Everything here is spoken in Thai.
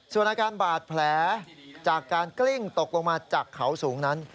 ส่วนอาการบาดแผลจากการกลิ้งตกลงมาจากเขาสูงนั้น